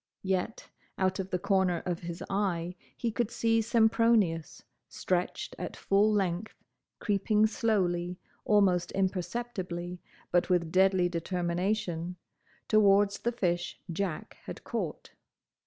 Yet out of the corner of his eye he could see Sempronius, stretched at full length, creeping slowly, almost imperceptibly, but with deadly determination, towards the fish Jack had caught.